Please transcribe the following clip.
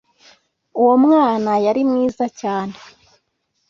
uwo mwana yari mwiza cyane